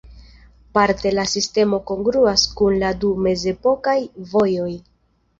Parte la sistemo kongruas kun la du mezepokaj vojoj.